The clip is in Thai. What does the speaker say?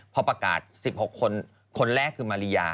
พอประกาศ๑๖คนคนแรกคือมาริยา